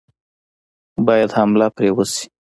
باید حمله پرې وشي.